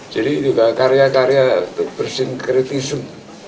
jadi juga karya karya bersinkretism